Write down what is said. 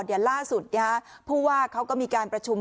เดี๋ยวล่าสุดผู้ว่าเขาก็มีการประชุม